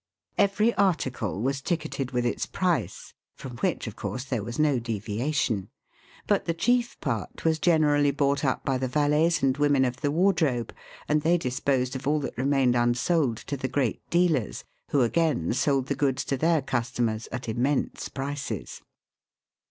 Every article was ticketed with its price, from which, of course, there was no deviation ; but the chief part was generally bought up by the valets and women of the wardrobe, and they disposed of all that remained unsold to the great dealers, who again sold the goods to their customers at immense prices.